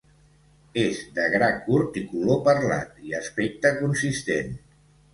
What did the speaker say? És de gra curt i color perlat i aspecte consistent.